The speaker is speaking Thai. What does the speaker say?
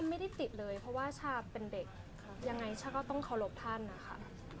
ไม่ได้ติดเลยเพราะว่าชาเป็นเด็กยังไงชาก็ต้องเคารพท่านนะคะ